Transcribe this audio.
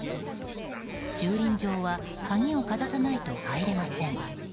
駐輪場は鍵をかざさないと入れません。